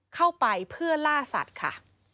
เข้าไปเพื่อล่าสัตว์ค่ะ